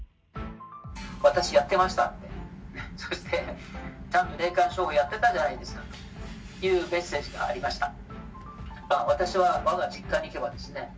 私やってましたって、ちゃんと霊感商法やってたじゃないですかというメッセージがありました。